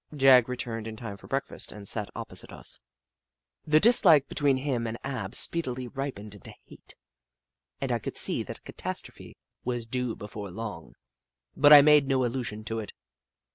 Jagg returned in time for breakfast and sat opposite us. The dislike between him and Ab speedily ripened into hate, and I could see that a catastrophe was due before long, but I made no allusion to it.